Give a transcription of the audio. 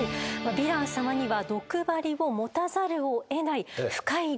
ヴィラン様には毒針を持たざるをえない深い理由があるのでございます。